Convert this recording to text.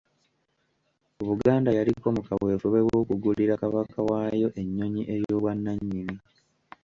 Buganda yaliko mu kaweefube w'okugulira Kabaka waayo ennyonyi ey'obwannanyini.